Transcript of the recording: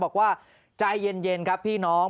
บอกว่าใจเย็นครับพี่น้อง